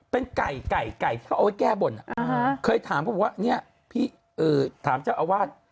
เป็นไก่เขาเอาไว้แก้บ่นอ่ะเคยถามเขาว่าเนี่ยพี่เออถามเจ้าอาวาส